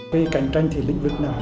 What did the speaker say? về cạnh tranh thì lĩnh vực này